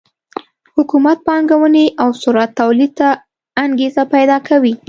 حکومت پانګونې او ثروت تولید ته انګېزه پیدا کوي.